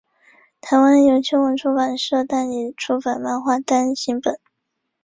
台湾由青文出版社代理出版漫画单行本。